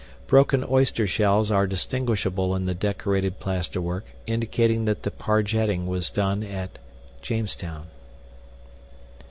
Broken oyster shells are distinguishable in the decorated plasterwork, indicating that the pargeting was done at Jamestown.